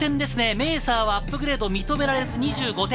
メーサーはアップグレードを認められず、２５点。